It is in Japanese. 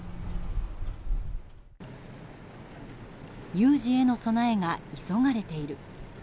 有事への備えが急がれている。